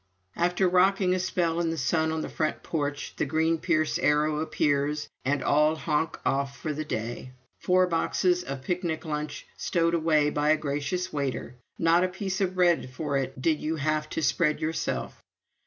After rocking a spell in the sun on the front porch, the green Pierce Arrow appears, and all honk off for the day four boxes of picnic lunch stowed away by a gracious waiter; not a piece of bread for it did you have to spread yourself.